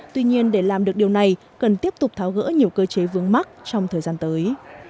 tuy nhiên để làm được điều này cần tiếp tục tháo gỡ nhiều cơ chế vướng mắt trong thời gian tới